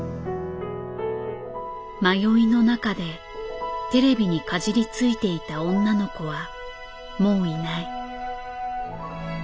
迷いの中でテレビにかじりついていた女の子はもういない。